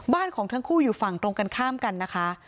ของทั้งคู่อยู่ฝั่งตรงกันข้ามกันนะคะ